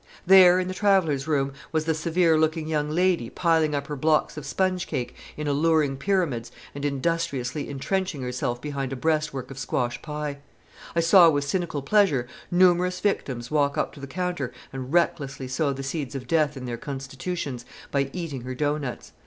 There, in the travellers' room, was the severe looking young lady piling up her blocks of sponge cake in alluring pyramids and industriously intrenching herself behind a breastwork of squash pie. I saw with cynical pleasure numerous victims walk up to the counter and recklessly sow the seeds of death in their constitutions by eating her doughnuts.